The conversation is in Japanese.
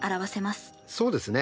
そうですね。